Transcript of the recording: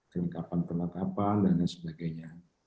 keringkapan perlengkapan dan sebagainya